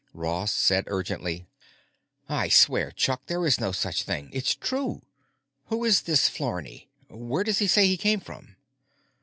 Ross said urgently, "I swear, Chuck, there's no such thing. It's true. Who's this Flarney? Where does he say he came from?"